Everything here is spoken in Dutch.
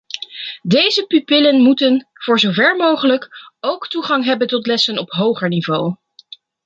Deze pupillen moeten, voor zover mogelijk, ook toegang hebben tot lessen op hoger niveau.